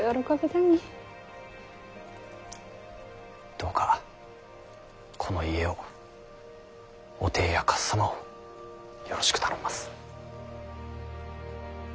どうかこの家をおていやかっさまをよろしく頼みます。